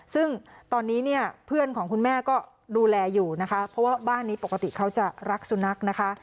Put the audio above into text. ซึ่งตอนนี้เนี่ยเพื่อนของคุณแม่ก็ดูแลอยู่นะคะเพราะว่าบ้านนี้ปกติเขาจะรักสุนัขนะคะ